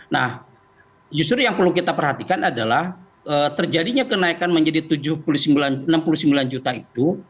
nah justru yang perlu kita perhatikan adalah terjadinya kenaikan menjadi enam puluh sembilan juta itu